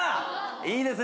いいですね。